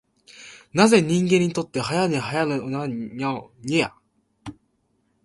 なぜ人間にとって早寝早起きは大事なのか。